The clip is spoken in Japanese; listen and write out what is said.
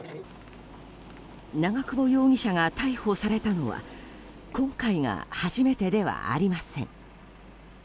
長久保容疑者が逮捕されたのは今回が初めてではありません。